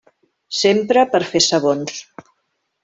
S'empra per a fer sabons.